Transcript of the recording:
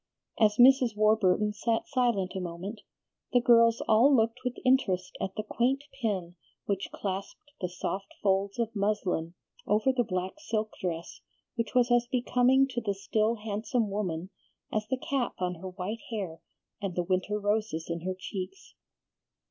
As Mrs. Warburton sat silent a moment, the girls all looked with interest at the quaint pin which clasped the soft folds of muslin over the black silk dress which was as becoming to the still handsome woman as the cap on her white hair and the winter roses in her cheeks.